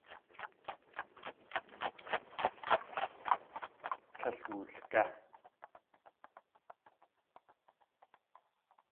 Tlél wulgé.